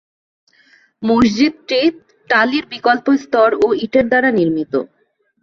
মসজিদটি টালির বিকল্প স্তর ও ইটের দ্বারা নির্মিত।